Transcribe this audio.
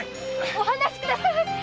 お放しください！